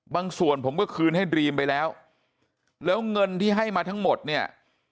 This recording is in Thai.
ส่วนผมก็คืนให้ดรีมไปแล้วแล้วเงินที่ให้มาทั้งหมดเนี่ย